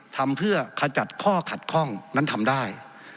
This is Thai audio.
ทำเพื่อขจัดข้อขัดข้องนั้นทำได้